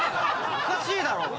おかしいだろうが！